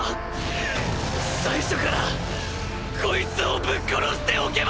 最初からこいつをぶっ殺しておけば！！